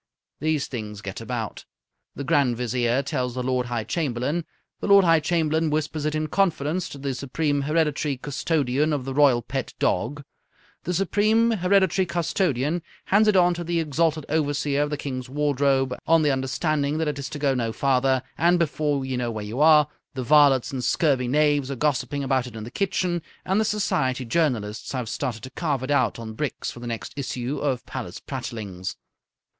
These things get about. The Grand Vizier tells the Lord High Chamberlain; the Lord High Chamberlain whispers it in confidence to the Supreme Hereditary Custodian of the Royal Pet Dog; the Supreme Hereditary Custodian hands it on to the Exalted Overseer of the King's Wardrobe on the understanding that it is to go no farther; and, before you know where you are, the varlets and scurvy knaves are gossiping about it in the kitchens, and the Society journalists have started to carve it out on bricks for the next issue of Palace Prattlings.